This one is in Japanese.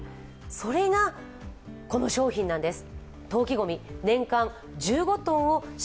それがこの商品なんです。